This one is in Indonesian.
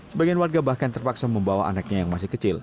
sebagian warga bahkan terpaksa membawa anaknya yang masih kecil